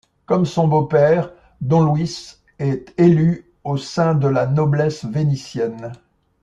Comme son beau-père, Don Luis est élu au sein de la noblesse vénitienne.